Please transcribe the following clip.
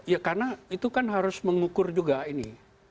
ya karena itu kan harus mengukur juga ini